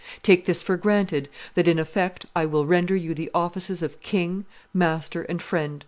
Take this for granted, that, in effect, I will render you the offices of king, master, and friend.